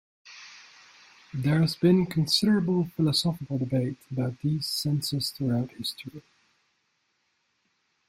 There has been considerable philosophical debate about these senses throughout history.